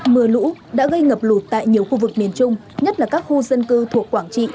mưa lũ đã gây ngập lụt tại nhiều khu vực miền trung nhất là các khu dân cư thuộc quảng trị